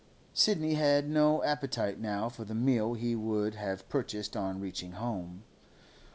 Sidney had no appetite now for the meal he would have purchased on reaching home.